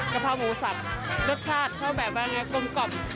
กะพร้าวหมูสับรสชาติเข้าแบบกลมกล่อม